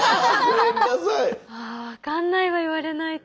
あ分かんないわ言われないと。